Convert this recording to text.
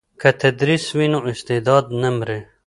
که تدریس وي نو استعداد نه مري.